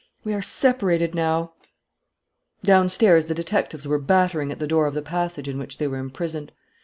We are separated now " Downstairs the detectives were battering at the door of the passage in which they were imprisoned.